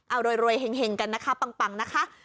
เอารวยเห็งกันนะคะปังนะคะ